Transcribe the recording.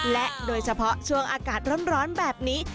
และโดยเฉพาะช่วงอากาศร้อนแบบนี้